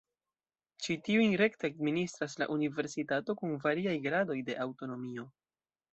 Ĉi tiujn rekte administras la universitato kun variaj gradoj de aŭtonomio.